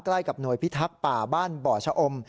ใกล้กับหน่วยพิทักษ์ป่าบ้านบ่อชะอม